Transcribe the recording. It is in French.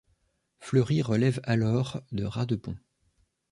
Fleury relève alors de Radepont.